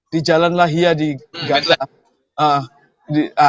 di jalan lahia di gaza